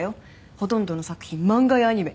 ほとんどの作品漫画やアニメ